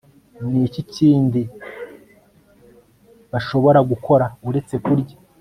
ni iki kindi bashobora gukora uretse kurya